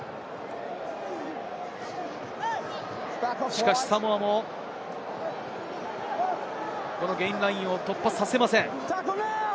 しかし、サモアもゲインラインを突破させません。